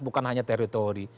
bukan hanya teritori